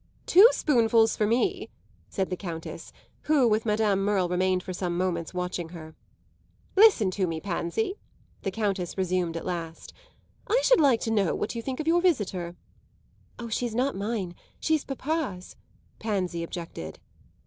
"Two spoonfuls for me," said the Countess, who, with Madame Merle, remained for some moments watching her. "Listen to me, Pansy," the Countess resumed at last. "I should like to know what you think of your visitor." "Ah, she's not mine she's papa's," Pansy objected.